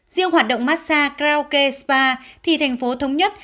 riêng hoạt động massage karaoke spa thì thành phố thống nhất